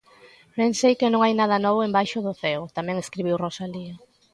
Ben sei que non hai nada novo embaixo do ceo, tamén escribiu Rosalía.